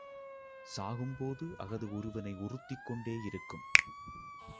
சாகும்போதும் அஃது ஒரு வனை உறுத்திக்கொண்டே இருக்கும்.